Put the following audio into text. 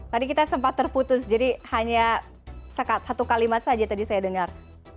tadi kita sempat terputus jadi hanya satu kalimat saja tadi saya dengar